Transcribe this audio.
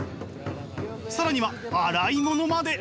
更には洗い物まで！